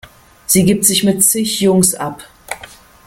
Sie gibt sich mit zig Jungs ab.